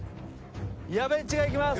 やべっちがいきます！